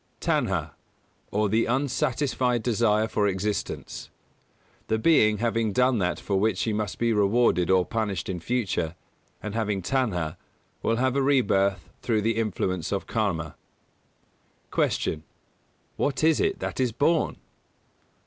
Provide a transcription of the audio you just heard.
Tanhā, or the unsatisfied desire for existence. The being having done that for which he must be rewarded or punished in future, and having Tanhā, will have a rebirth through the influence of Karma. 233. Q. _What is it that is born?